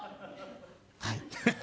はい。